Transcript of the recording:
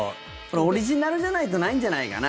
オリジナルじゃないとないんじゃないかな。